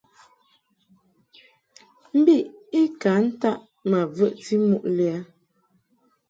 Mbiʼ i ka ntaʼ ma vəʼti muʼ lɛ a.